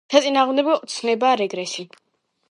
საწინააღმდეგო ცნებაა რეგრესი.